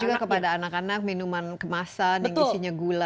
dan juga kepada anak anak minuman kemasan yang isinya gula